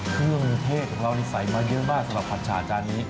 เครื่องเทศของเรานี่ใส่มาเยอะมากสำหรับผัดฉาจานนี้